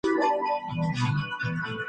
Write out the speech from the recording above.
Además, está ausente del "Nihonshoki".